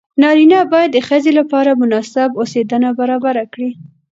نارینه باید د ښځې لپاره مناسب اوسېدنه برابره کړي.